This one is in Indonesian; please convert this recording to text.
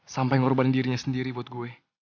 sampai ngorban dirinya sendiri buat gue